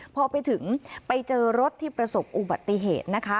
พอไปถึงไปเจอรถที่ประสบอุบัติเหตุนะคะ